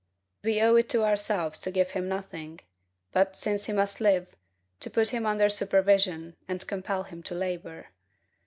We owe it to ourselves to give him nothing; but, since he must live, to put him under supervision, and compel him to labor.